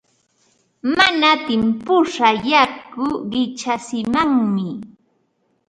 Mana timpushqa yaku qichatsimanmi.